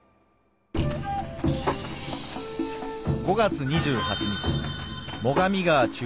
５月２８日最上川中